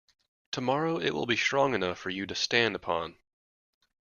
Tomorrow it will be strong enough for you to stand upon.